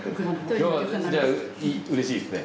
今日はじゃあうれしいですね。